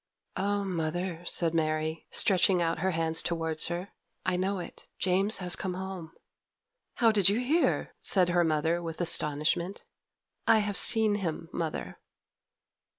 'Oh, mother,' said Mary, stretching out her hands towards her, 'I know it, James has come home.' 'How did you hear?' said her mother with astonishment. 'I have seen him, mother.